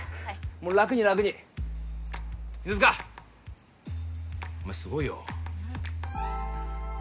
もう楽に楽に犬塚お前すごいようん